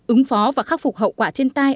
ứng phó và khắc phục hậu quả thiên tai